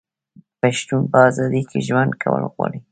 پښتون په ازادۍ کې ژوند کول غواړي.